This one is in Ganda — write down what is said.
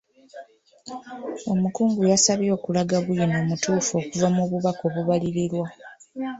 Omukungu yabasabye okulaga bwino omutuufu okuva mu bubaka obubalirirwa.